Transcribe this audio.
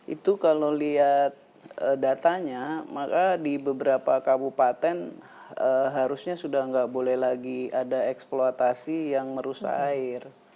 itu kalau lihat datanya maka di beberapa kabupaten harusnya sudah tidak boleh lagi ada eksploitasi yang merusak air